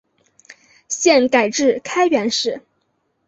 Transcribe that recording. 现改置开原市。